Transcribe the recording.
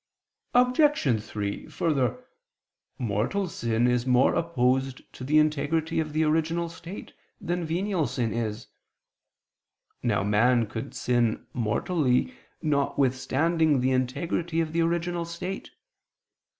Obj. 3: Further, mortal sin is more opposed to the integrity of the original state, than venial sin is. Now man could sin mortally notwithstanding the integrity of the original state.